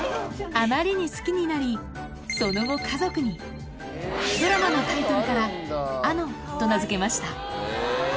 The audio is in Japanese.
あまりに好きになりその後家族にドラマのタイトルから「あの」と名付けました